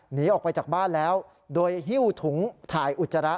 หนีออกไปจากบ้านแล้วโดยหิ้วถุงถ่ายอุจจาระ